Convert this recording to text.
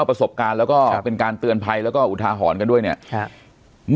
สวัสดีครับทุกผู้ชม